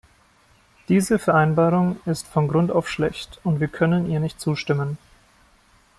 Diese Vereinbarung ist von Grund auf schlecht, und wir können ihr nicht zustimmen.